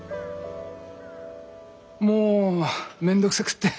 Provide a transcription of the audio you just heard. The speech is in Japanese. もう面倒くさくって。